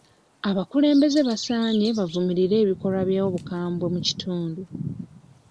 Abakulembeze basaanye bavumirire ebikolwa by'obukambwe mu kitundu.